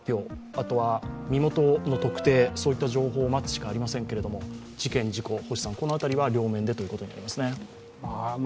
あとは身元の特定といった情報を待つしかありませんけれども事件・事故、このあたりは両面でということになりますね。